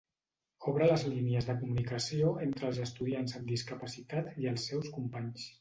Obre les línies de comunicació entre els estudiants amb discapacitat i els seus companys.